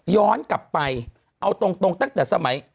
ย้อนกลับไปเอาตรงตั้งแต่สมัย